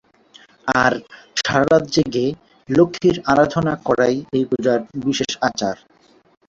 আর সারারাত জেগে লক্ষ্মীর আরাধনা করাই এই পূজার বিশেষ আচার।